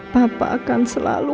papa akan selalu